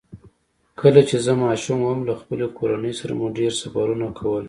کله چې زه ماشوم وم، له خپلې کورنۍ سره مو ډېر سفرونه کول.